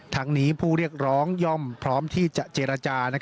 ทั้งนี้ผู้เรียกร้องย่อมพร้อมที่จะเจรจา